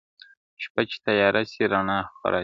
شپه چي تياره سي ،رڼا خوره سي